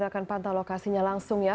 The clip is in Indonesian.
akan pantau lokasinya langsung ya